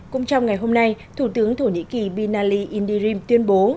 cũng trong ngày hôm nay thủ tướng thổ nhĩ kỳ binali indirim tuyên bố